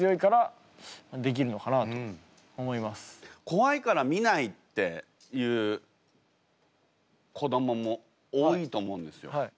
「こわいから見ない」っていう子どもも多いと思うんですよ。